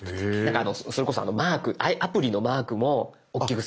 それこそマークアプリのマークもおっきくする。